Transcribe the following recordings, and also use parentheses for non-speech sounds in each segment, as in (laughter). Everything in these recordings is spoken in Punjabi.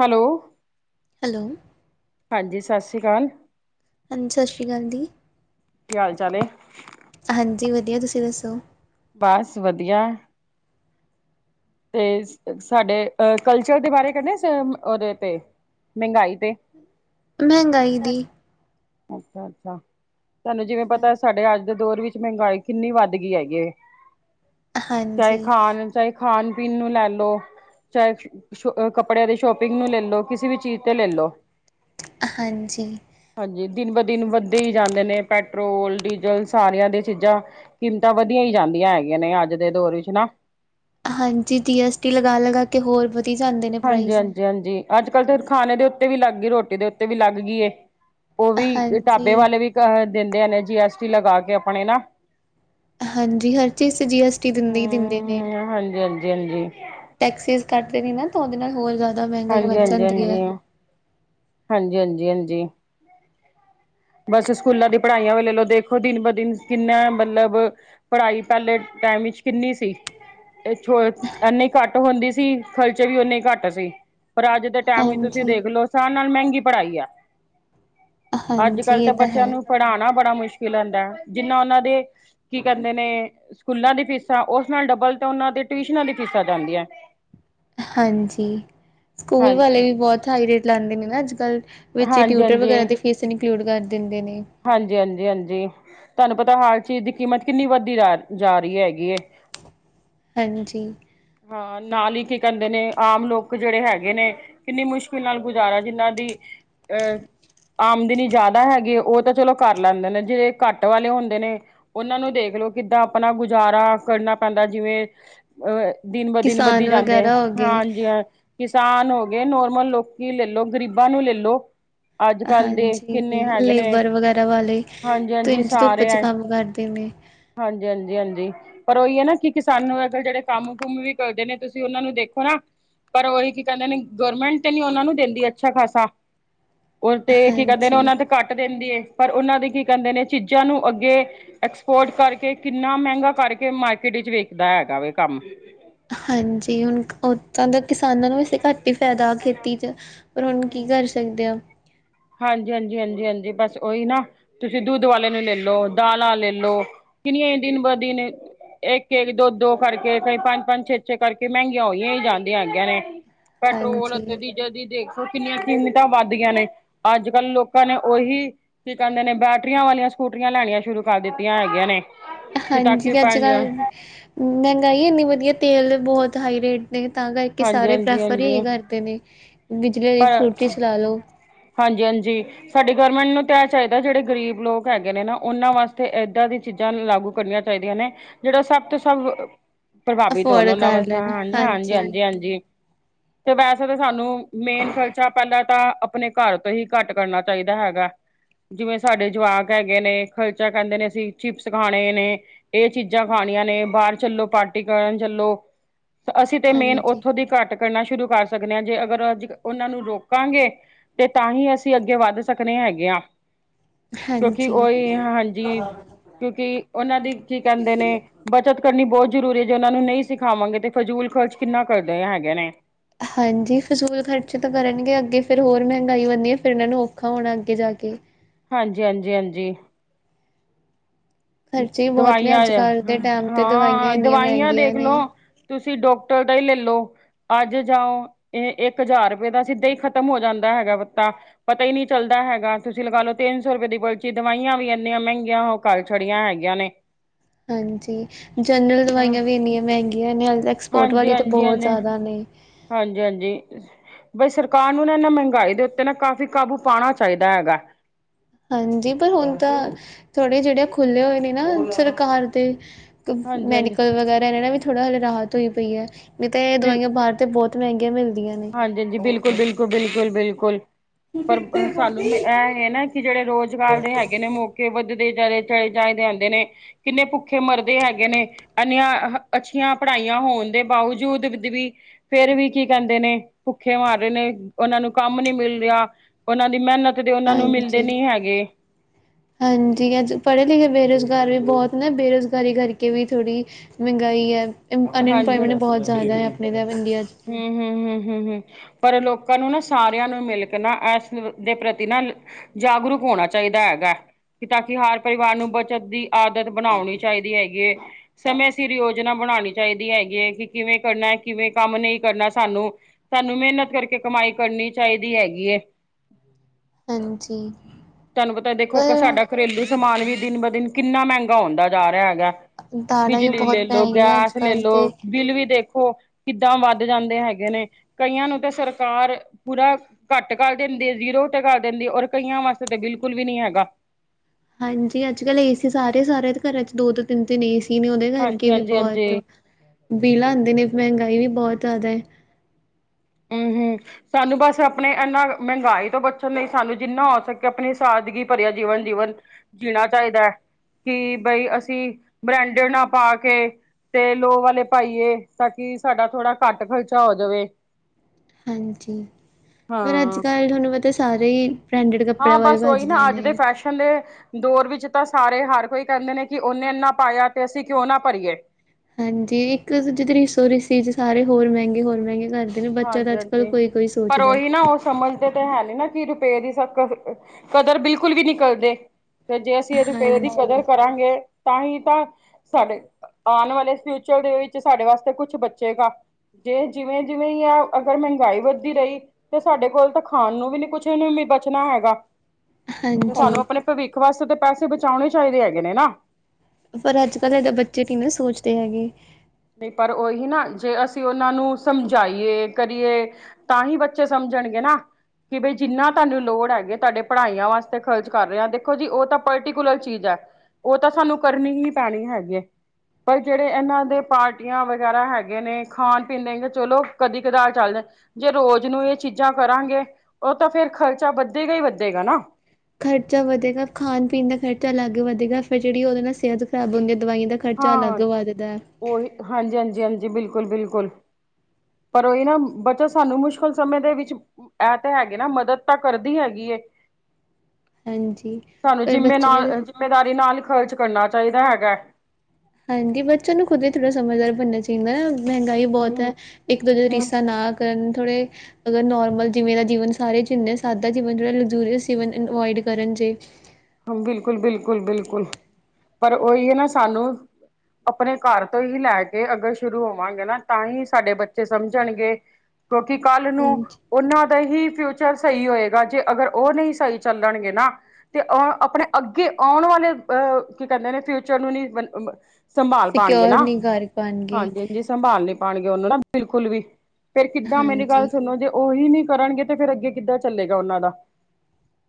ਹੈਲੋ। ਹੈਲੋ। ਹਾਂਜੀ, ਸਾਸ਼੍ਰੀ ਅਕਾਲ। ਹਾਂਜੀ, ਸਸ਼੍ਰੀ ਕਾਲ ਦੀ ਕੀ ਹਾਲ ਚਾਲ ਏ? ਹਾਂਜੀ ਵਧੀਆ, ਤੁਸੀਂ ਦੱਸੋ? ਬਾਸ, ਵਧੀਆ। ਤੇ ਸਾਡੇ ਅ ਕਲਚਰ ਦੇ ਬਾਰੇ (unintelligible) ਸ ਉਹਦੇ 'ਤੇ ਮਹਿੰਗਾਈ 'ਤੇ। ਮਹਿੰਗਾਈ ਦੀ। ਅੱਛਾ-ਅੱਛਾ, ਤੁਹਾਨੂੰ ਜਿਵੇਂ ਪਤਾ ਹਾਂਜੀ, ਸਾਡੇ ਅੱਜ। ਦੌਰ ਵਿੱਚ ਮਹਿੰਗਾਈ ਕਿੰਨੀ ਵੱਧ ਗੀ ਹੈਗੀ ਏ, ਚਾਹੇ ਹਾਂਜੀ। ਖਾਣ ਚਾਹੇ। ਖਾਣ-ਪੀਣ ਨੂੰ ਲੈ ਲੋ। ਚਾਹੇ, ਸ਼ੋ ਸ਼ੋ ਕੱਪੜਿਆਂ ਦੀ ਸ਼ੋਪਿੰਗ ਨੂੰ ਈ ਲੈ ਲੋ, ਕਿਸੇ ਵੀ ਚੀਜ਼ ਤੇ ਲੈ ਲੋ। ਹਾਂਜੀ। ਹਾਂਜੀ, ਦਿਨ-ਬ-ਦਿਨ ਵੱਧਦੇ ਹੀ ਜਾਂਦੇ ਨੇ ਪੈਟਰੋਲ, ਡੀਜ਼ਲ ਸਾਰੀਆਂ ਦੀਆ ਚੀਜ਼ਾਂ। ਕੀਮਤਾਂ ਵਧੀਆ ਹੀ ਜਾਂਦੀਆਂ ਹੈਗੀਆਂ ਨੇ, ਅੱਜ ਦੇ ਦੌਰ ਵਿੱਚ ਨਾ। ਹਾਂਜੀ, ਜੀ ਐੱਸ ਟੀ ਲਗਾ- ਲਗਾ ਕੇ ਹੋਰ ਵਧੀ ਜਾਂਦੇ ਨੇ ਹਾਂਜੀ ਪ੍ਰਾਈਜ਼। ਹਾਂਜੀ ਹਾਂਜੀ, ਅੱਜ ਕੱਲ ਤੇ ਖਾਣੇ ਦੇ ਉੱਤੇ ਵੀ ਲੱਗ ਗਈ, ਰੋਟੀ ਦੇ ਉੱਤੇ ਵੀ ਲੱਗ ਗੀ ਏ। ਉਹ ਵੀ ਹਾਂਜੀ, ਢਾਬੇ ਵਾਲੇ ਵੀ ਘ ਦਿੰਦੇ ਏ ਨ ਜੀ ਐਸ ਟੀ ਲਗਾ ਕੇ ਅਪਣੇ ਨਾ। ਹਾਂਜੀ, ਹਰ ਚੀਜ਼ 'ਚ ਜੀ ਐਸ ਟੀ ਦਿੰਦੇ ਈ ਦਿੰਦੇ ਨੇ। ਹਮ ਹਾਂਜੀ ਹਾਂਜੀ ਹਾਂਜੀ ਟੈਕਸਿਸ ਕੱਟਦੇ ਨੇ ਨਾ, ਤਾਂ ਉਹਦੇ ਨਾਲ ਹੋਰ ਜਿਆਦਾ। ਹਾਂਜੀ ਹਾਂਜੀ ਹਾਂਜੀ, ਹਾਂਜੀ ਹਾਂਜੀ ਹਾਂਜੀ। ਬਸ ਸਕੂਲਾਂ ਦੀਆਂ ਪੜ੍ਹਾਈਆਂ ਵੀ ਲੈ ਲਓ, ਦੇਖੋ ਦਿਨ ਬ ਦਿਨ ਕਿੰਨਾ ਮਤਲਬ। ਪੜ੍ਹਾਈ ਪਹਿਲੇ ਟਾਈਮ ਵਿੱਚ ਕਿੰਨੀ ਸੀ? ਏਜੂ ਇੰਨੀ ਘੱਟ ਹੁੰਦੀ ਸੀ, ਖ਼ਰਚੇ ਵੀ ਓਨੇ ਈ ਘੱਟ ਸੀ। ਪਰ ਅੱਜ ਦੇ ਟਾਈਮ ਵਿਚ ਤੁਸੀਂ ਹਾਂਜੀ, ਦੇਖ ਲਓ, ਸਾਰਿਆ ਨਾਲੋਂ ਮਹਿੰਗੀ ਪੜ੍ਹਾਈ ਆ। ਅੱਜ ਹਾਂਜੀ ਕੱਲ੍ਹ ਇਹ ਤਾਂ ਬੱਚਿਆਂ ਹੈ ਨੂੰ ਪੜ੍ਹਾਣਾ ਬੜਾ ਮੁਸ਼ਕਿਲ ਹੁੰਦਾ, ਜਿੰਨਾ ਉਹਨਾਂ ਦੇ ਕੀ ਕਹਿੰਦੇ ਨੇ। ਸਕੂਲਾਂ ਦੀ ਫੀਸਾਂ ਉਸ ਨਾਲ ਡਬਲ ਤੇ ਉਹਨਾਂ ਦੀ ਟਿਊਸ਼ਨਾਂ ਦੀ ਫੀਸਾਂ ਜਾਂਦੀਆਂ। ਹਾਂਜੀ, ਸਕੂਲ ਹਾਂਜੀ ਵਾਲੇ ਵੀ ਬਹੁਤ ਹਾਈ ਰੇਟ ਲਾਂਦੇ ਨੇ ਨਾ ਅੱਜ ਕੱਲ੍ਹ। ਵਿੱਚ ਈ ਹਾਂਜੀ ਟਿਊਟਰ ਹਾਂਜੀ ਵਗੈਰਾ ਦੀ ਫੀਸ ਇਨਕਲੁਊਡ ਕਰ ਦਿੰਦੇ ਨੇ। ਹਾਂਜੀ- ਹਾਂਜੀ, ਹਾਂਜੀ ਤੁਹਾਨੂੰ ਪਤਾ ਹਰ ਚੀਜ਼ ਦੀ ਕੀਮਤ ਕਿੰਨੀ ਵੱਧਦੀ ਜਾ- ਜਾ ਰਹੀ ਹੈਗੀ ਏ। ਹਾਂਜੀ। ਹਾਂ, ਨਾਲ ਈ ਕੀ ਕਹਿੰਦੇ ਨੇ, ਆਮ ਲੋਕ ਜਿਹੜੇ ਹੈਗੇ ਨੇ ਕਿੰਨੀ ਮੁਸ਼ਕਿਲ ਨਾਲ ਗੁਜ਼ਾਰਾ ਜਿੰਨਾਂ ਦੀ ਅ ਆਮਦਨੀ ਜ਼ਿਆਦਾ ਹੈਗੀ ਏ ਉਹ ਤਾਂ ਚਲੋ ਕਰ ਲੈਂਦੇ ਨੇ, ਜਿਹੜੇ ਘੱਟ ਵਾਲੇ ਹੁੰਦੇ ਨੇ ਉਹਨਾਂ ਨੂੰ ਈ ਦੇਖ ਲਓ, ਕਿੱਦਾਂ ਆਪਣਾ ਗੁਜ਼ਾਰਾ ਕਰਨਾ ਪੈਂਦਾ ਜਿਵੇਂ ਅ ਦਿਨ ਬ ਦਿਨ ਵੱਧੀ ਕਿਸਾਨ ਜਾਂਦੇ ਐਂ, ਵਗੈਰਾ ਹੋ ਹਾਂ ਗਏ ਹਾਂਜੀ- ਹਾਂਜੀ। ਕਿਸਾਨ ਹੋ ਗਏ, ਨੋਰਮਲ ਲੋਕੀ ਲੈਲੋ, ਗ਼ਰੀਬਾਂ ਨੂੰ ਈ ਲੈਲੋ। ਅੱਜ ਕੱਲ ਦੇ ਹਾਂਜੀ, ਕਿੰਨੇ ਹੈਗੇ ਨੇ ਲੇਬਰ ਵਗੈਰਾ ਵਾਲੇ, ਹਾਂਜੀ ਹਾਂਜੀ ਦਿਨ 'ਚ ਧੁੱਪ ਸਾਰੇ ਚ ਹੈ ਕੰਮ ਕਰਦੇ ਆ। ਤੇ ਨੈ ਹਾਂਜੀ- ਹਾਂਜੀ, ਹਾਂਜੀ ਪਰ ਉਹੀ ਏ ਨਾ ਕਿ ਕਿਸਾਨ ਜਿਹੜੇ ਕੰਮ ਗੁੰਮ ਵੀ ਕਰਦੇ ਨੇ, ਤੁਸੀਂ ਉਹਨਾਂ ਨੂੰ ਵੀ ਦੇਖੋ ਨਾ। ਪਰ ਉਹੀ ਕੀ ਕਹਿੰਦੇ ਨੇ, ਗੌਰਮੈਂਟ ਤੇ ਨੀ ਉਹਨਾਂ ਨੂੰ ਦਿੰਦੀ ਅੱਛਾ ਖਾਸਾ। ਉਹ ਤੇ ਕੀ ਕਹਿੰਦੇ ਨੇ, ਹਾਂਜੀ ਉਹਨਾਂ ਤੇ ਘੱਟ ਦਿੰਦੀ ਹੈ, ਪਰ ਉਹਨਾਂ ਦੇ ਕੀ ਕਹਿੰਦੇ ਨੇ, ਚੀਜ਼ਾਂ ਨੂੰ ਅੱਗੇ ਐਕਸਪੋਰਟ ਕਰਕੇ ਕਿੰਨਾ ਮਹਿੰਗਾ ਕਰਕੇ ਮਾਰਕੀਟ ਵਿੱਚ ਵੇਕਦਾ ਹੈਗਾ ਵੇ ਕੰਮ। ਹਾਂਜੀ ਹੁਣ ਉਦਾਂ ਦਾ ਕਿਸਾਨਾਂ ਨੂੰ ਵੇਸ ਘੱਟ ਹੀ ਫ਼ਾਇਦਾ ਖੇਤੀ ਚ। ਪਰ ਹੁਣ ਕੀ ਕਰ ਸਕਦੇ ਆ। ਹਾਂਜੀ- ਹਾਂਜੀ, ਹਾਂਜੀ- ਹਾਂਜੀ ਬਸ ਉਹੀ ਨਾ ਤੁਸੀਂ ਦੁੱਧ ਵਾਲੇ ਨੂੰ ਲੈ ਲੋ, ਦਾਲਾਂ ਲੈ ਲੋ। ਕਿਨੀਆਂ ਦਿਨ ਬ ਦਿਨ ਇੱਕ- ਇੱਕ ਦੋ- ਦੋ ਕਰਕੇ ਕਈ ਪੰਜ- ਪੰਜ ਛੇ- ਛੇ ਕਰਕੇ ਮਹਿੰਗੀਆਂ ਹੋਈਆਂ ਹੀ ਜਾਂਦੀਆਂ ਹੈਗੀਆਂ ਨੇ। ਪੈਟਰੋਲ ਹਾਂਜੀ ਤੇ ਡੀਜ਼ਲ ਦੀ ਦੇਖੋ ਕਿੰਨੀਆਂ ਕੀਮਤਾਂ ਵੱਧ ਗਈਆਂ ਨੇ। ਅੱਜ ਕੱਲ ਲੋਕਾਂ ਨੇ ਉਹੀ। ਕੀ ਕਹਿੰਦੇ ਨੇ ਬੈਟਰੀਆਂ ਵਾਲੀਆਂ ਸਕੂਟਰੀਆਂ ਲੈਣੀਆਂ ਸ਼ੁਰੂ ਕਰ ਦਿੱਤੀਆਂ ਹੈਗੀਆਂ ਨੇ। ਹਾਂਜੀ ਪਤਾਖੀ ਅੱਜ ਪਡ ਦੇਆਂ। (inaudible) ਮਹਿੰਗਾਈ ਇੰਨੀ ਵਧੀਆ ਤੇਲ ਬਹੁਤ ਹਾਈ ਰੇਟ। ਨਹੀਂ ਤਾਂ ਕਰਕੇ ਹਾਂਜੀ ਸਾਰੇ ਹਾਂਜੀ ਪ੍ਰੈਫਰ ਹੀ ਏ ਹਾਂਜੀ ਕਰਦੇ ਨੇ ਬਿਜਲੀ ਆਲੀ ਪਰ ਫਰੂਟੀ ਚਲਾ ਲਉ। ਹਾਂਜੀ- ਹਾਂਜੀ ਸਾਡੀ ਗੌਰਮੈਂਟ ਨੂੰ ਤਾਂ ਚਾਹੀਦਾ ਜਿਹੜੇ ਗਰੀਬ ਲੋਕ ਹੈਗੇ ਨੇ ਨਾ ਉਹਨਾਂ ਵਾਸਤੇ ਇੱਦਾਂ ਦੀ ਚੀਜ਼ਾਂ ਲਾਗੂ ਕਰਨੀਆਂ ਚਾਹੀਦੀਆਂ ਨੇ ਜਿਹੜਾ ਸਭ ਤੋਂ ਸਭ ਪ੍ਰਭਾਵਿਤ ਹੋਣ ਅਫੋਰਡ ਉਹਨਾਂ ਕਰ ਵਾਸਤੇ ਲੈਣ ਆਈਆ ਹਾਂਜੀ- ਹਾਂਜੀ, ਹਾਂਜੀ- ਹਾਂਜੀ। ਤੇ ਵੈਸੇ ਤਾਂ ਸਾਨੂੰ ਮੇਨ ਖ਼ਰਚਾ ਪਹਿਲਾਂ ਤਾਂ ਆਪਣੇ ਘਰ ਤੋਂ ਹੀ ਘੱਟ ਕਰਨਾ ਚਾਹੀਦਾ ਹੈਗਾ। ਜਿਵੇਂ ਸਾਡੇ ਜਵਾਕ ਹੈਗੇ ਨੇ ਖਲਚਾ ਕਹਿੰਦੇ ਨੇ ਅਸੀਂ ਚਿਪਸ ਖਾਣੇ ਨੇ। ਇਹ ਚੀਜ਼ਾਂ ਖਾਣੀਆਂ ਨੇ, ਬਾਹਰ ਚੱਲੋ ਪਾਰਟੀ ਕਰਨ ਚੱਲੋ, ਅਸੀਂ ਤੇ ਮੇਨ ਹਾਂਜੀ ਉੱਥੋਂ ਦੀ ਘੱਟ ਕਰਨਾ ਸ਼ੁਰੂ ਕਰ ਸਕਦੇ ਹਾਂ ਜੇ ਅਗਰ ਅੱਜ ਉਹਨਾਂ ਨੂੰ ਰੋਕਾਂਗੇ। ਤੇ ਤਾਂ ਹੀ ਅਸੀਂ ਅੱਗੇ ਵੱਧ ਸਕਦੇ ਹੈਗੇ ਹਾਂ। ਕਿਉਂਕਿ ਹਾਂਜੀ ਉਹੀ ਹਾਂਜੀ, ਕਿਉਂਕਿ ਉਹਨਾਂ ਦੀ ਕੀ ਕਹਿੰਦੇ ਨੇ ਬੱਚਤ ਕਰਨੀ ਬਹੁਤ ਜ਼ਰੂਰੀ ਹੈ ਜੇ ਉਹਨਾਂ ਨੂੰ ਨਹੀਂ ਸਿਖਾਵਾਂਗੇ ਤੇ ਫਜ਼ੂਲ ਖਰਚ ਕਿੰਨਾ ਕਰਦੇ ਹੈਗੇ ਨੇ। ਹਾਂਜੀ ਫਜ਼ੂਲ ਖਰਚੇ ਤਾਂ ਕਰਨਗੇ ਅੱਗੇ ਫੇਰ ਹੋਰ ਮਹਿੰਗਾਈ ਵਣਦੀ ਹੈ ਫੇਰ ਇਹਨਾਂ ਨੂੰ ਔਖਾ ਹੋਣਾ ਅੱਗੇ ਜਾ ਕੇ। ਹਾਂਜੀ- ਹਾਂਜੀ, ਹਾਂਜੀ। ਖਰਚੇ ਹੀ ਬਹੁਤ ਨੇ ਦਵਾਈਆਂ ਅੱਜ ਕੱਲ੍ਹ ਦੇ ਟਾਈਮ ਤੇ ਦਵਾਈਆਂ ਹਾਂ ਇੰਨੀਆਂ ਦਵਾਈਆਂ ਮਹਿੰਗੀਆਂ ਦੇਖਲੋ। ਨੇ ਤੁਸੀਂ ਡਾਕਟਰ ਦਾ ਹੀ ਲੈਲੋ। ਅੱਜ ਜਾਓ ਇਹ ਇੱਕ ਹਜ਼ਾਰ ਰੁਪਏ ਦਾ ਸਿੱਧਾ ਹੀ ਖ਼ਤਮ ਹੋ ਜਾਂਦਾ ਹੈਗਾ ਪੱਤਾ। ਪਤਾ ਹੀ ਨਹੀਂ ਚੱਲਦਾ ਹੈਗਾ ਤੁਸੀਂ ਲਗਾ ਲਓ ਤਿੰਨ ਸੌ ਰੁਪਏ ਦੀ ਬਲਚੀ ਦਵਾਈਆਂ ਵੀ ਇੰਨੀਆਂ ਮਹਿੰਗੀਆਂ ਹੋ ਕਰ- ਛੜੀਆਂ ਹੈਗੀਆਂ ਨੇ। ਹਾਂਜੀ ਜਨਰਲ ਹਮ ਦਵਾਈਆਂ ਵੀ ਇੰਨੀਆਂ ਮਹਿੰਗੀਆਂ ਨੇ ਹੱਲੇ ਤੱਕ ਐਕਸਪੋਰਟ ਵਾਲੀ ਤੇ ਬੋਹਤ ਜਾਦਾ ਨੇ। ਹਾਂਜੀ-ਹਾਂਜੀ। ਬਈ ਸਰਕਾਰ ਨੂੰ ਨਾ ਏਨਾਂ ਮਹਿੰਗਾਈ ਦੇ ਉੱਤੇ ਨਾ ਕਾਫ਼ੀ ਕਾਬੂ ਪਾਣਾ ਚਾਇਦਾ ਹੈਗਾ। ਹਾਂਜੀ ਪਰ ਹੁਣ ਤਾਂ ਥੋੜੇ ਜੇੜੇ ਖੁੱਲ੍ਹੇ ਹੋਏ ਨੇ ਨਾ ਸਰਕਾਰ ਦੇ ਹਾਂਜੀ ਹਾਂਜੀ ਮੈਡੀਕਲ ਵਗੈਰਾ ਏਨਾਂ ਨਾਲ ਵੀ ਥੋੜ੍ਹਾ ਰਾਹਤ ਹੋਈ ਪਈ ਹੈ ਨਹੀਂ ਤੇ ਏ ਦਵਾਈਆਂ ਬਾਰ ਤੇ ਬੋਤ ਮਹਿੰਗੀਆਂ ਮਿਲਦੀਐ। ਹਾਂਜੀ-ਹਾਂਜੀ, ਬਿਲਕੁਲ-ਬਿਲਕੁਲ-ਬਿਲਕੁਲ-ਬਿਲਕੁਲ। ਪਰ ਸਾਨੂੰ ਐ ਏ ਨਾ ਕਿ ਜੇਹੜੇ ਰੋਜ਼ਗਾਰ ਦੇ ਹੈਗੇ ਨੇ ਮੌ ਕੇ ਵੱਧਦੇ ਜਾਨੇ ਚਾਹੀਦੇ ਹੁੰਦੇ ਨੇ ਕਿੰਨੇ ਭੁੱਖੇ ਮਰਦੇ ਹੈਗੇ ਨੇ। ਐਨੀਆਂ ਅੱਛੀਆਂ ਪੜ੍ਹਾਈਆਂ ਹੋਣ ਦੇ ਬਾਵਜੂਦ ਵੀ ਫੇਰ ਵੀ ਕੀ ਕੈੰਦੇ ਨੇ ਭੁੱਖੇ ਮਰ ਰਹੇ ਨੇ ਓਨਾਂ ਨੂੰ ਕੰਮ ਨੀ ਮਿਲ ਰਿਆ ਓਨਾਂ ਦੀ ਮੈਨਤ ਕਦੇ ਓਨਾਂ ਨੂੰ ਮਿਲਦੇ ਹਾਂਜੀ ਨੀ ਹੈਗੇ। ਹਾਂਜੀ ਅਜ ਪੜ੍ਹੇ-ਲਿਖੇ ਬੇਰੋਜ਼ਗਾਰ ਵੀ ਬੋਹਤ ਨੇ ਬੇਰੋਜ਼ਗਾਰੀ ਕਰਕੇ ਵੀ ਥੋੜ੍ਹੀ ਮਹਿੰਗਾਈ ਐ ਇ ਅਨਇਮਪਲੋਇਮੈਂਟ ਬੋਹਤ ਜ਼ਿਆਦਾ ਹੈ ਆਪਣੇ ਤਾਂ ਇੰਡੀਆ ਚ ਹੂੰ-ਹੂੰ-ਹੂੰ-ਹੂੰ-ਹੂੰ। ਪਰ ਲੋਕਾਂ ਨੂੰ ਨਾ ਸਾਰੇਆਂ ਨੂੰ ਮਿਲ ਕੇ ਨਾ ਐਸ ਦੇ ਪ੍ਰਤੀ ਨਾ ਜਾਗਰੂਕ ਹੋਣਾ ਚਾਇਦਾ ਹੈਗਾ। ਕਿ ਤਾਂ ਕਿ ਹਰ ਪਰਿਵਾਰ ਨੂੰ ਬੱਚਤ ਦੀ ਆਦਤ ਬਣਾਉਣੀ ਚਾਇਦੀ ਹੈਗੀ ਏ। ਸਮੇਂ ਸਿਰ ਯੋਜਨਾ ਬਣਾਉਣੀ ਚਾਇਦੀ ਹੈਗੀ ਏ ਕਿ ਕਿਵੇਂ ਕਰਨਾ ਕਿਵੇਂ ਕੰਮ ਨਈ ਕਰਨਾ ਸਾਨੂੰ, ਸਾਨੂੰ ਮੇਨਤ ਕਰਕੇ ਕਮਾਈ ਕਰਨੀ ਚਾਇਦੀ ਹੈਗੀ ਏ। ਹਾਂਜੀ। ਤੁਹਾਨੂੰ ਪਤਾ ਦੇਖੋ ਪਰ ਸਾਡਾ ਘਰੇਲੂ ਸਮਾਨ ਵੀ ਦਿਨ ਬ ਦਿਨ ਕਿੰਨਾ ਮੈੰਗਾ ਹੁੰਦਾਂ ਜਾ ਰੇਆ। ਗੈ ਦਾਲਾਂ ਹੀ ਬਿਜਲੀ ਬਹੁਤ ਲੇਲੋ, ਮਹਿੰਗੀਆਂ ਅੱਜ ਗੈਸ ਕੱਲ੍ਹ ਲੇਲੋ, ਤੇ ਬਿੱਲ ਵੀ ਦੇਖੋ ਕਿੱਦਾਂ ਵੱਧ ਜਾਂਦੇ ਹੈਗੇ ਨੇ ਕਈਆਂ ਨੂੰ ਤੇ ਸਰਕਾਰ ਪੂਰਾ ਕੱਟ ਕਰ ਦਿੰਦੀ ਜ਼ੀਰੋ ਤੇ ਕਰ ਦਿੰਦੀ ਔਰ ਕਈਆਂ ਵਾਸਤੇ ਤੇ ਬਿਲਕੁਲ ਵੀ ਨੀ ਹੈਗਾ। ਹਾਂਜੀ ਅੱਜ-ਕੱਲ ਏਸੀ ਸਾਰੇ ਸਾਰੇ ਘਰਾਂ ਚ ਦੋ-ਦੋ, ਤਿੰਨ-ਤਿੰਨ ਏਸੀ ਨੇ ਓਦੇ ਹਾਂਜੀ, ਕਰਕੇ ਵੀ ਹਾਂਜੀ, ਬੋਤ ਹਾਂਜੀ ਬਿਲ ਆਂਦੇ ਨੇ ਮਹਿੰਗਾਈ ਵੀ ਬੋਹਤ ਜਾਦਾ ਏ। ਹੂੰ-ਹੂੰ ਸਾਨੂੰ ਬੱਸ ਆਪਨੇ ਐਨਾ ਮਹਿਂਗਾਈ ਤੋਂ ਬਚਣ ਲਈ ਸਾਨੂੰ ਜਿੰਨਾ ਹੋ ਸਕੇ ਆਪਣੀ ਸਾਦਗੀ ਪਰਿਆ ਜੀਵਨ ਜੀਵਨ ਜੀਣਾ ਚਾਇਦਾ। ਕਿ ਬਈ ਅਸੀਂ ਬ੍ਰੈਂਡਡ ਨਾ ਪਾ ਕੇ ਤੇ ਲੋਅ ਵਾਲੇ ਪਾਈਏ, ਤਾਂ ਕਿ ਸਾਡਾ ਥੋੜਾ ਕੱਟ ਖ਼ਰਚਾ ਹੋ ਜਵੇ। ਹਾਂਜੀ, ਪਰ ਹਾਂ। ਅੱਜ-ਕੱਲ੍ਹ ਥਾਨੂੰ ਪਤਾ ਸਾਰੇ ਈ ਬਰੈਂਡਡ ਕੱਪੜਿਆਂ ਵੱਲ ਪਾੱਜਦੇ ਨੇ ਪੈਲੇ ਦੌਰ ਵਿੱਚ ਤਾਂ ਸਾਰੇ ਹਰ ਕੋਈ ਕੈੰਦੇ ਨੇ ਕਿ ਉਹਨੇ ਐਨਾਂ ਪਾਯਾ ਤੇ ਅਸੀਂ ਕਿਉਂ ਨਾ ਪਰੀਏ। ਹਾਂਜੀ, ਇੱਕ ਦੁਜੇ ਦੀ ਰੀਸੋ-ਰੀਸੀ ਚ ਸਾਰੇ ਹੋਰ ਮਹਿੰਗੇ ਹੋਰ ਮਹਿੰਗੇ ਕਰਦੇ ਨੇ ਬੱਚਾ ਤਾਂ ਅੱਜ ਕੱਲ੍ਹ ਹਾਂਜੀ-ਹਾਂਜੀ ਕੋਈ ਕੋਈ ਪਰ ਸੋਚਦਾ। ਓਹੀ ਨਾ ਓ ਸਮਝ ਤੇ ਹੈ ਨ ਨਾ ਕਿ ਰੁਪਏ ਦੀ ਸੱਕਤ ਅ ਕਦਰ ਬਿਲਕੁਲ ਵੀ ਨੀ ਕਰਦੇ ਤੇ ਜੇ ਅਸੀਂ ਰੁਪਏ ਦੀ ਕਦਰ ਹਾਂਜੀ ਕਰਾਂਗੇ ਤਾਂ ਹੀ ਤਾਂ, ਸਾਡੇ ਆਣ ਵਾਲੇ ਫਿਊਚਰ ਦੇ ਵਿੱਚ ਸਾਡੇ ਵਾਸਤੇ ਕੁਛ ਬਚੇਗਾ। ਜੇ ਜਿਵੇਂ-ਜਿਵੇਂ ਯਾ ਅਗਰ ਮਹਿੰਗਾਈ ਵੱਧਦੀ ਰਹੀ ਤੇ ਸਾਡੇ ਕੋਲ ਤਾਂ ਖਾਣ ਨੂੰ ਵੀ ਨੀ ਕੁਛ ਵੀ ਨੀ ਬਚਣਾ ਹੈਗਾ। ਤੇ ਹਾਂਜੀ ਸਾਨੂੰ ਆਪਣੇ ਭਵਿੱਖ ਵਾਸਤੇ ਤਾਂ ਪੈਸੇ ਬਚਾਉਣੇ ਚਾਇਦੇ ਹੈਗੇ ਨੇ ਨਾ। ਪਰ ਅੱਜ-ਕੱਲ੍ਹ ਏਦਾਂ ਬੱਚੇ ਕਿੰਵੇਂ ਸੋਚਦੇ ਹੈਗੇ। ਨਹੀਂ ਪਰ ਉਹੀ ਨਾ ਜੇ ਅਸੀਂ ਉਹਨਾਂ ਨੂੰ ਸਮਝਾਈਏ ਕਰੀਏ ਤਾਂ ਹੀ ਬੱਚੇ ਸਮਝਣਗੇ ਨਾ ਕਿ ਬਈ ਜਿੰਨਾ ਤੁਹਾਨੂੰ ਲੋੜ ਹੈਗੀ ਐ ਤੁਹਾਡੇ ਪੜ੍ਹਾਈਆਂ ਵਾਸਤੇ ਖ਼ਰਚ ਕਰ ਰਹੇ ਆ ਦੇਖੋ ਜੀ ਉਹ ਤਾਂ ਪਰਟੀਕੂਲਰ ਚੀਜ਼ ਐ ਉਹ ਤਾਂ ਸਾਨੂੰ ਕਰਨੀ ਹੀ ਪੈਣੀ ਹੈਗੀ ਏ, ਪਰ ਜਿਹੜੇ ਇਹਨਾਂ ਦੇ ਪਾਰਟੀਆਂ ਵਗੈਰਾ ਹੈਗੇ ਨੇ ਖਾਣ-ਪੀਣ ਦੇ ਚਲੋ ਕਦੀ ਕਦਾਰ ਚੱਲ ਜਾਂਦਾ ਜੇ ਰੋਜ਼ ਨੂੰ ਇਹ ਚੀਜ਼ਾਂ ਕਰਾਂਗੇ, ਉਹ ਤਾਂ ਫੇਰ ਖਰਚਾ ਵੱਧੇਗਾ ਹੀ ਵੱਧੇਗਾ ਨਾ ਖਰਚਾ ਵਧੇਗਾ ਖਾਣ ਪੀਣ ਦਾ ਖਰਚਾ ਅਲੱਗ ਵਧੇਗਾ ਫਿਰ ਜਿਹੜੀ ਉਹਦੇ ਨਾਲ ਸਿਹਤ ਖਰਾਬ ਹੁੰਦੀ ਦਵਾਈਆਂ ਦਾ ਖਰਚਾ ਅਲੱਗ ਵੱਧਦਾ ਓਹੀ ਹਾਂਜੀ-ਹਾਂਜੀ-ਹਾਂਜੀ, ਬਿਲਕੁਲ-ਬਿਲਕੁਲ ਪਰ ਉਹ ਇਹ ਨਾ, ਬੱਚਾ ਸਾਨੂੰ ਮੁਸ਼ਕਿਲ ਸਮੇਂ ਦੇ ਵਿੱਚ ਐ ਤਾਂ ਹੈਗੇ ਨਾ ਮਦਦ ਤਾਂ ਕਰਦੀ ਹੈਗੀ ਏ ਹਾਂਜੀ ਸਾਨੂੰ ਪਰ ਜਿੰਮੇ ਬੱਚੇ ਨਾਲ, ਨੇ ਜਿੰਮੇਦਾਰੀ ਨਾਲ ਖਰਚ ਕਰਨਾ ਚਾਹੀਦਾ ਹੈਗਾ ਹਾਂਜੀ ਬੱਚਿਆਂ ਨੂੰ ਖੁਦ ਹੀ ਥੋੜ੍ਹਾ ਸਮਝਦਾਰ ਬਣਨਾ ਚਾਹੀਦਾ ਮਹਿੰਗਾਈ ਬਹੁਤ ਐ, ਇੱਕ ਦੂਜੇ ਦੀ ਰੀਸਾਂ ਨਾ ਕਰਨ ਥੋੜ੍ਹੇ ਅਗਰ ਨੋਰਮਲ ਜਿਵੇਂ ਦਾ ਜੀਵਨ ਸਾਰੇ ਜੀਂਦੇ, ਸਾਦਾ ਜੀਵਨ ਜਿਹੜਾ ਲਗਜ਼ਰੀਅਸ ਜੀਵਨ ਅਵੋਇਡ ਕਰਨ ਜੇ ਬਿਲਕੁਲ-ਬਿਲਕੁਲ-ਬਿਲਕੁਲ, ਪਰ ਉਹੀ ਏ ਨਾ ਸਾਨੂੰ ਆਪਣੇ ਘਰ ਤੋਂ ਹੀ ਲੈ ਕੇ ਅਗਰ ਸ਼ੁਰੂ ਹੋਵਾਂਗੇ ਨਾ ਤਾਂ ਹੀ ਸਾਡੇ ਬੱਚੇ ਸਮਝਣਗੇ। ਕਿਉਂਕਿ ਕੱਲ ਨੂੰ ਹਾਂਜੀ, ਉਹਨਾਂ ਦਾ ਹੀ ਫਿਊਚਰ ਸਹੀ ਹੋਏਗਾ ਜੇ ਅਗਰ ਉਹ ਨਹੀਂ ਸਹੀ ਚੱਲਣਗੇ ਨਾ ਤੇ ਅ ਆਪਣੇ ਅੱਗੇ ਆਉਣ ਵਾਲੇ ਅਹ ਕੀ ਕਹਿੰਦੇ ਨੇ ਫਿਊਚਰ ਨੂੰ ਨੀ, ਬਲ ਅਮ ਸੰਭਾਲ ਪਾਣਗੇ ਨਾ, ਸਿਕਿਓਰ ਨਹੀਂ ਕਰ ਪਾਣਗੇ ਹਾਂਜੀ-ਹਾਂਜੀ ਸੰਭਾਲ ਨਹੀਂ ਪਾਣਗੇਂ ਉਹਨੂੰ ਨਾ ਬਿਲਕੁਲ ਵੀ, ਫੇਰ ਕਿੱਦਾਂ ਮੇਰੀ ਹਾਂਜੀ। ਗੱਲ ਸੁਣੋ ਜੇ ਉਹੀ ਨਹੀਂ ਕਰਨਗੇ ਤੇ ਫੇਰ ਅੱਗੇ ਕਿੱਦਾਂ ਚੱਲੇਗਾ ਉਹਨਾਂ ਦਾ,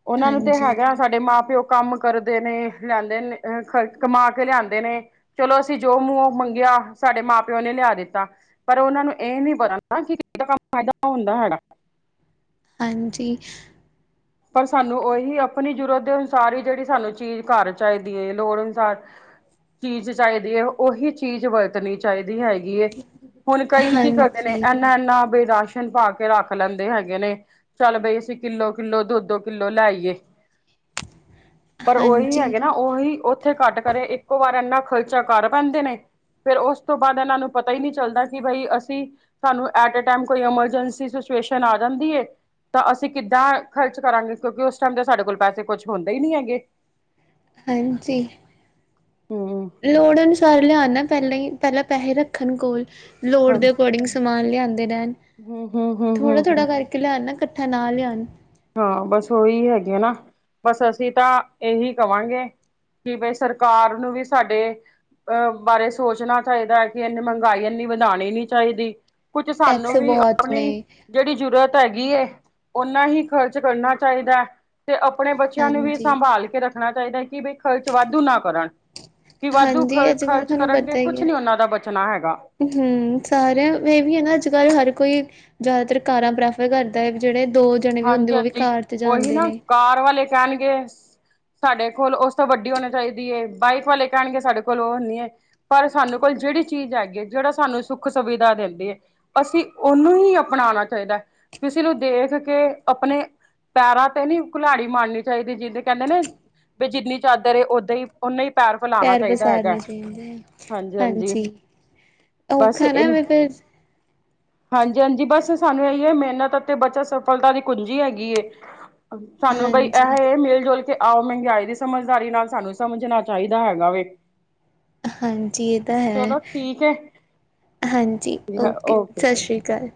ਉਹਨਾਂ ਨੂੰ ਤੇ ਹਾਂਜੀ, ਹੈਗਾ ਸਾਡੇ ਮਾਂ ਪਿਓ ਕੰਮ ਕਰਦੇ ਨੇ ਲਿਆਂਦੇ ਨੇ ਅ, ਖਰਚ ਕਮਾ ਕੇ ਲਿਆਂਦੇ ਨੇ ਚਲੋ ਅਸੀਂ ਜੋ ਮੂੰਹੋਂ ਮੰਗਿਆ, ਸਾਡੇ ਮਾਂ ਪਿਓ ਨੇ ਲਿਆ ਦਿੱਤਾ। ਪਰ ਉਹਨਾ ਨੂੰ ਇਹ ਨੀ ਪਤਾ ਕਿ ਇਹ ਕੰਮ ਫਾਇਦਾ ਹੁੰਦਾ ਹੈਗਾ। ਹਾਂਜੀ। ਪਰ ਸਾਨੂੰ ਉਹੀ ਆਪਣੀ ਜ਼ਰੂਰਤ ਦੇ ਅਨੁਸਾਰ ਹੀ ਜਿਹੜੀ ਸਾਨੂੰ ਚੀਜ਼ ਘਰ ਚਾਹੀਦੀ ਐ, ਲੋੜ ਅਨੁਸਾਰ ਚੀਜ਼ ਚਾਹੀਦੀ ਐ, ਉਹੀ ਚੀਜ਼ ਵਰਤਣੀ ਚਾਹੀਦੀ ਹੈ ਗੀ ਐ, ਹੁਣ ਕਈ ਕੀ ਕਰਦੇ ਨੇ ਹਾਂਜੀ, ਇਨਾ ਬਈ ਰਾਸ਼ਨ ਪਾ ਕੇ ਰੱਖ ਲੈਂਦੇ ਹੈਗੇ ਨੇ, ਚੱਲ ਬਈ ਅਸੀਂ ਕਿੱਲੋ ਕਿੱਲੋ ਦੋ ਦੋ ਕਿੱਲੋ ਲੈ ਆਈਏ, ਪਰ ਉਹੀ ਹਾਂਜੀ। ਹੈਗੇ ਨਾ ਉਹੀ ਉੱਥੇ ਘੱਟ ਕਰੇ, ਇੱਕੋ ਵਾਰ ਇੰਨਾ ਖ਼ਰਚਾ ਕਰ ਪੈਂਦੇ ਨੇ ਫੇਰ ਉਸ ਤੋਂ ਬਾਅਦ ਇਹਨਾਂ ਨੂੰ ਪਤਾ ਹੀ ਨਹੀਂ ਚੱਲਦਾ, ਕਿ ਬਈ ਅਸੀਂ ਸਾਨੂੰ ਐਟਾ ਏ ਟਾਈਮ ਕੋਈ ਐਮਰਜੈਂਸੀ ਸਿਚੁਏਸ਼ਨ ਆ ਜਾਂਦੀ ਐ, ਤਾਂ ਅਸੀਂ ਕਿੱਦਾਂ ਖਰਚ ਕਰਾਂਗੇ, ਕਿਉਂਕਿ ਉਸ ਟਾਈਮ ਤੇ ਸਾਡੇ ਕੋਲ ਪੈਸੇ ਕੁਛ ਹੁੰਦੇ ਹੀ ਨੀ ਹੈਗੇ। ਹਾਂਜੀ। ਹੂੰ ਹੂੰ ਲੋੜ ਅਨੁਸਾਰ ਲਿਆਣਾ, ਪਹਿਲਾਈ ਪਹਿਲਾਂ ਪੈਸੇ ਰੱਖਣ ਕੋਲ, ਲੋੜ ਦੇ ਅਕੋਰਡਿੰਗ ਸ ਸਮਾਨ ਲਿਆਦੇ ਰੇਣ, ਹੂੰ ਹੂੰ ਹੂੰ ਥੋੜ੍ਹਾ ਹੂੰ ਥੋੜ੍ਹਾ ਕਰਕੇ ਲਿਆਣ ਨਾ ਇਕੱਠਾ ਨਾ ਲਿਆਨ। ਹਾਂ ਬਸ ਉਹੀ ਹੈਗੇ ਆ ਨਾ, ਬਸ ਅਸੀਂ ਤਾਂ ਇਹੀ ਕਵਾਂਗੇ ਕਿ ਬਈ ਸਰਕਾਰ ਨੂੰ ਵੀ ਸਾਡੇ ਅਹ ਬਾਰੇ ਸੋਚਣਾ ਚਾਹੀਦਾ ਐ ਕਿ ਇੰਨੀ ਮਹਿੰਗਾਈ ਇੰਨੀ ਵਧਾਣੀ ਨੀ ਚਾਹੀਦੀ। ਕੁਝ ਸਾਨੂੰ ਟੈਕਸ ਵੀ ਬਹੁਤ ਨੇ। ਆਪਣੀ ਜਿਹੜੀ ਜ਼ਰੂਤ ਹੈਗੀ ਐਂ, ਉਹਨਾ ਹੀ ਖ਼ਰਚ ਕਰਨਾ ਚਾਹੀਦਾ। ਤੇ ਆਪਣੇ ਬੱਚਿਆਂ ਲੀ ਵੀ ਹਾਂਜੀ, ਸੰਭਾਲ ਕੇ ਰੱਖਣਾ ਚਾਹੀਦਾ ਐ, ਕਿ ਬਈ ਖ਼ਰਚ ਵਾਧੂ ਨਾ ਕਰਨ। ਕਿ ਵਾਧੂ ਖ ਹਾਂਜੀ ਅੱਜ-ਕੱਲ੍ਹ ਖ਼ਰਚ ਤੁਹਾਨੂੰ ਕਰਨਗੇ ਪਤਾ ਹੀ ਕੁਛ ਹੈ। ਨੀ ਓਨਾਂ ਦਾ ਬਚਨਾ ਹੈਗਾ। ਹੂੰ, ਸਾਰਿਆਂ ਏਹ ਵੀ ਐ ਨਾ ਅੱਜ-ਕੱਲ੍ਹ ਹਰ ਕੋਈ ਜ਼ਾਦਾਤਰ ਕਾਰਾਂ ਪ੍ਰੈਫਰ ਕਰਦਾ ਐ ਵੀ ਜੇੜੇ ਦੋ ਜਨੇ ਵੀ ਹੁੰਦੇ ਹਾਂਜੀ ਓ ਵੀ ਹਾਂਜੀ ਕਾਰ ਚ ਉਹੀ ਜਾਂਦੇ ਨਾ ਨੇ। ਕਾਰ ਵਾਲੇ ਕੈਨਗੇ ਸਾਡੇ ਕੋਲ ਓਸ ਤੋਂ ਵੱਡੀ ਹੋਨੀ ਚਾਈਦੀ ਐ, ਬਾਈਕ ਵਾਲੇ ਕੈਨਗੇ ਸਾਡੇ ਕੋਲ ਓ ਨੀ ਐ। ਪਰ ਸਾਨੂੰ ਕੋਲ ਜੇੜੀ ਚੀਜ਼ ਹੈਗੀ ਐ ਜੇੜਾ ਸਾਨੂੰ ਸੁੱਖ ਸੁਵਿਧਾ ਦਿੰਦੀ ਐ ਅਸੀਂ ਓਨੂੰ ਈ ਅਪਨਾਨਾ ਚਾਈਦਾ, ਕਿਸੀ ਨੂੰ ਦੇਖ ਕੇ ਆਪਨੇ ਪੈਰਾਂ ਤੇ ਨੀ ਘੁਲਾੜੀ ਮਾਰਨੀ ਚਾਈਦੀ ਜਿਦੀ ਕੈਂਦੇ ਨੇ ਵੀ ਜਿੰਨੀ ਚਾਦਰ ਏ ਓਦਾਂ ਈ ਓਨੀ ਪੈਰ ਪਸਾਰਨੇ ਚਈਦੇ ਆ, ਹਾਂਜੀ। ਔਖਾ ਐ ਨਾ ਐਵੇਂ ਫੇਰ। ਹਾਂਜੀ-ਹਾਂਜੀ ਬਸ ਸਾਨੂੰ ਇਹੀ ਐ ਮਿਹਨਤ ਅਤੇ ਬੱਚਤ ਸਫ ਸਫਲਤਾ ਦੀ ਕੁੰਜੀ ਹੈਗੀ ਏ, ਸਾਨੂੰ ਬਈ ਹਾਂਜੀ ਐਹ ਮਿਲ ਜੁਲ ਕੇ ਆਹੋ ਮਹਿੰਗਾਈ ਦੀ ਸਮਝਦਾਰੀ ਨਾਲ ਸਾਨੂੰ ਸਮਝਨਾ ਚਾਈਦਾ ਹੈਗਾ ਵੇ। ਹਾਂਜੀ ਏ ਤਾਂ ਹੈ, ਚਲੋ ਠੀਕ ਹਾਂਜੀ ਹੈ ਓਕੇ ਜੀ ਸਸ ਰੀ ਕਾਲ।